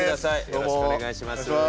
よろしくお願いします。